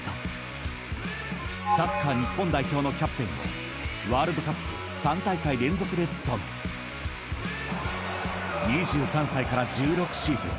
［サッカー日本代表のキャプテンをワールドカップ３大会連続で務め２３歳から１６シーズン